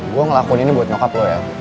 gue ngelakuin ini buat nyokap lo ya